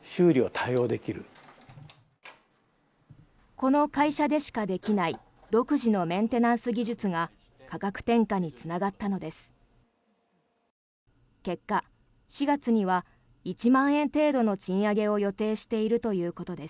この会社でしかできない独自のメンテナンス技術が価格転嫁につながったのです。